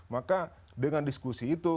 maka dengan diskusi itu